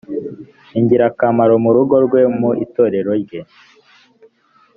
ingirakamaro mu rugo rwe mu itorero rye